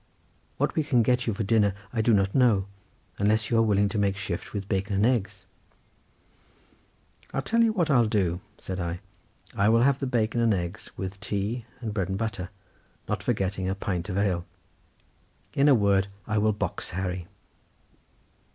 What we can get you for dinner I do not know, unless you are willing to make shift with bacon and eggs." "I'll tell you what I'll do," said I, "I will have the bacon and eggs with tea and bread and butter, not forgetting a pint of ale—in a word, I will box Harry."